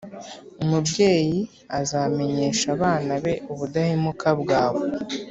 Umubyeyi azamenyesha abana be ubudahemuka bwawe.